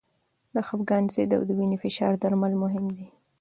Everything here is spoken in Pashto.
د خپګان ضد او د وینې فشار درمل مهم دي.